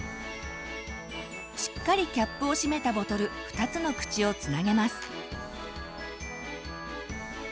しっかりキャップを閉めたボトル２つの口をつなげます。